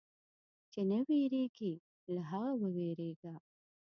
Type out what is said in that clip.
چې نه وېرېږي، له هغه وېرېږه.